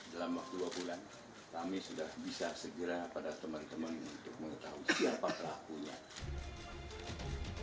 dalam waktu dua bulan kami sudah bisa segera pada teman teman untuk mengetahui siapa pelakunya